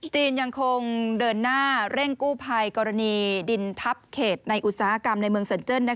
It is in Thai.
ยังคงเดินหน้าเร่งกู้ภัยกรณีดินทับเขตในอุตสาหกรรมในเมืองสันเจิ้น